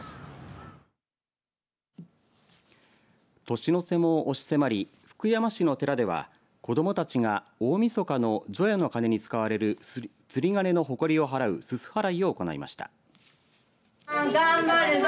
年の瀬も押し迫り福山市の寺では、子どもたちが大みそかの除夜の鐘に使われる釣り鐘のほこりを払うすす払いを行いました。